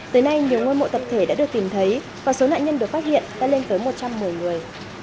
tới nay nhiều ngôi mộ tập thể đã được tìm thấy và số nạn nhân được phát hiện đã lên tới một trăm một mươi người